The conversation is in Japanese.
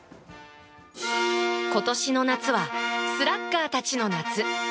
今年の夏はスラッガーたちの夏。